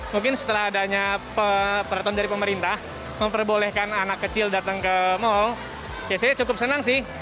mungkin setelah adanya peraturan dari pemerintah memperbolehkan anak kecil datang ke mall ya saya cukup senang sih